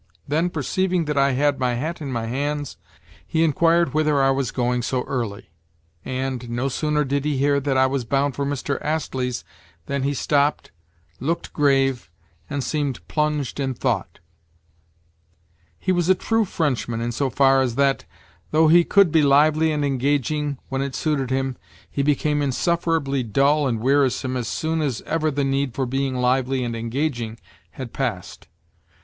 Then, perceiving that I had my hat in my hands, he inquired whither I was going so early; and, no sooner did he hear that I was bound for Mr. Astley's than he stopped, looked grave, and seemed plunged in thought. He was a true Frenchman insofar as that, though he could be lively and engaging when it suited him, he became insufferably dull and wearisome as soon as ever the need for being lively and engaging had passed.